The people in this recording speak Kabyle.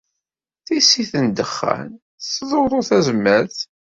Tissit n ddexxan tettḍurru tazmert.